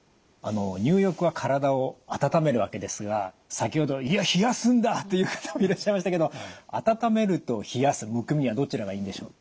入浴は体を温めるわけですが先ほど「いや冷やすんだ！」という方もいらっしゃいましたけど温めると冷やすむくみはどちらがいいんでしょう？